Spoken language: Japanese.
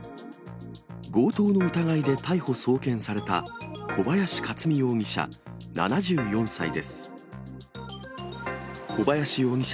強盗の疑いで逮捕・送検された小林克巳容疑者